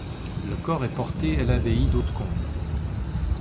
Le corps est porté à l'abbaye d'Hautecombe.